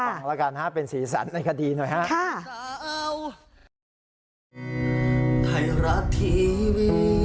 ฟังแล้วกันเป็นสีสันในคดีหน่อยครับ